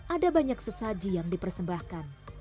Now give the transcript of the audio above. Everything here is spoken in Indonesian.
ada banyak sesaji yang dipersembahkan